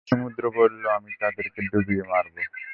সমুদ্র বলল, আমি তাদেরকে ডুবিয়ে মারব।